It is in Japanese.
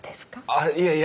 あっいやいや！